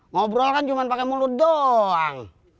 ngobrol kan cuma pakai mulut doang